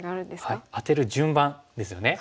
はいアテる順番ですよね。